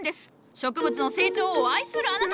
植物の成長を愛するあなた！